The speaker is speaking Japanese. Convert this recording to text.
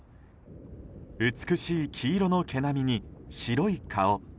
美しい黄色の毛並みに、白い顔。